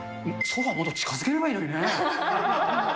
ソファ、もっと近づければいいのにね。